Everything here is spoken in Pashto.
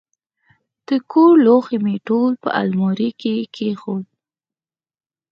د کور لوښي مې ټول په المارۍ کې کښېنول.